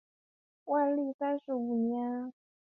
万历三十五年才起任陕西按察使。